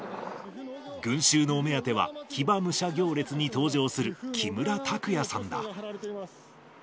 群衆のお目当ては、騎馬武者行列に登場する木村拓哉さんだ。